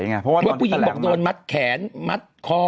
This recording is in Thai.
เพราะว่าผู้หญิงบอกโดนมัดแขนมัดคอ